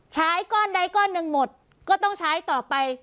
ใช้ก้อนใดก้อนหนึ่งหมดก็ต้องใช้ต่อไป